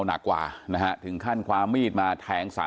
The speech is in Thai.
หนักกว่านะฮะถึงขั้นความมีดมาแทงสา